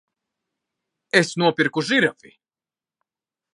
Es nopirku žirafi!